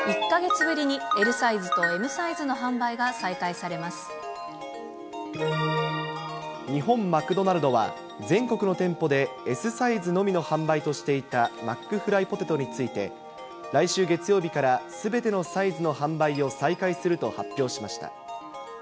１か月ぶりにＬサイズとＭサ日本マクドナルドは、全国の店舗でＳサイズのみの販売としていたマックフライポテトについて、来週月曜日からすべてのサイズの販売を再開すると発表しました。